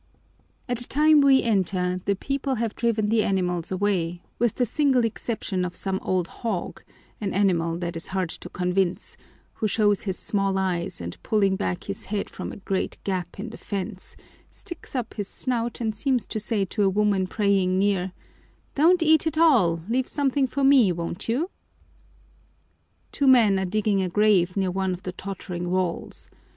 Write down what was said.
At the time we enter, the people have driven the animals away, with the single exception of some old hog, an animal that is hard to convince, who shows his small eyes and pulling back his head from a great gap in the fence, sticks up his snout and seems to say to a woman praying near, "Don't eat it all, leave something for me, won't you?" Two men are digging a grave near one of the tottering walls.